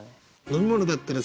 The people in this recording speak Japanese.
「飲み物だったら？